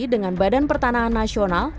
dengan badan pertanahan nasional